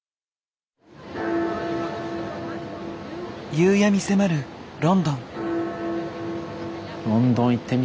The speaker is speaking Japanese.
夕闇迫るロンドン。